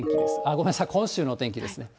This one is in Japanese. ごめんなさい、今週のお天気ですね。